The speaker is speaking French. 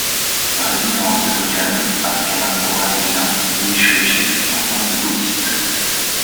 La résidence de Dōkan à Kamakura devient Eisho-ji, un temple Bouddhiste.